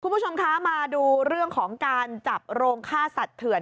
คุณผู้ชมคะมาดูเรื่องของการจับโรงฆ่าสัตว์เถื่อน